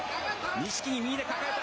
錦木、右で抱えた。